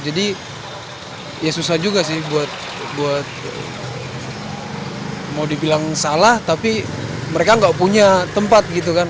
jadi ya susah juga sih buat mau dibilang salah tapi mereka gak punya tempat gitu kan